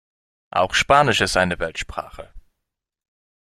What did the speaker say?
Auch Spanisch ist eine Weltsprache.